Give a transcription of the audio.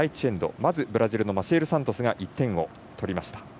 まずブラジルのマシエル・サントスが１点を取りました。